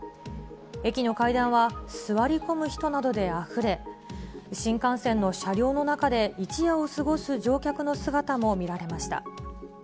駅の階段は座り込む人などであふれ、新幹線の車両の中で一夜を過ごす乗客の姿も見られました。